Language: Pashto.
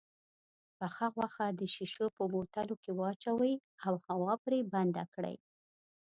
پخه غوښه د شيشو په بوتلو کې واچوئ او هوا پرې بنده کړئ.